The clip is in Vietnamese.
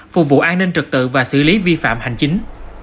phục vụ an ninh trực tự và xử lý vi phạm hành chính